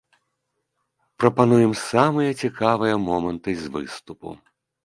Прапануем самыя цікавыя моманты з выступу.